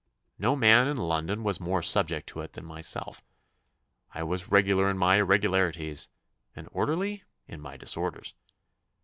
No man in London was more subject to it than myself. I was regular in my irregularities, and orderly in my disorders.